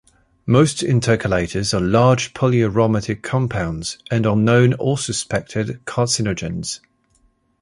Most intercalators are large polyaromatic compounds and are known or suspected carcinogens.